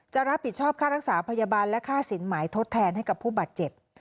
จะรับผิดชอบค่ารักษาพยาบาลและค่าสินหมายทดแทนให้กับผู้บาดเจ็บ